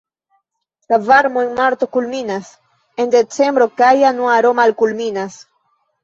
La varmo en marto kulminas, en decembro kaj januaro malkulminas.